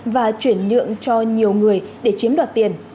và chuyển nhượng cho nhiều người để chiếm đoạt tiền